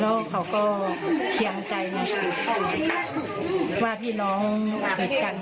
แล้วเขาก็เคียงใจนะว่าพี่น้องผิดกัน